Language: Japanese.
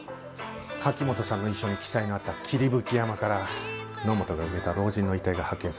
柿本さんの遺書に記載のあった霧吹山から野本が埋めた老人の遺体が発見されました。